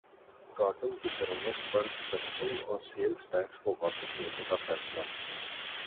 cotton کی درمد پر کسٹمز اور سیلز ٹیکس کو واپس لینے کا فیصلہ